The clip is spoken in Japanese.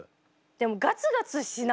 ガツガツしない。